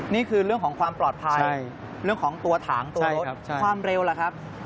นี่คือเรื่องของความปลอดภัยเรื่องของตัวถางตัวรถความเร็วล่ะครับ